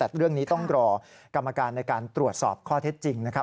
แต่เรื่องนี้ต้องรอกรรมการในการตรวจสอบข้อเท็จจริงนะครับ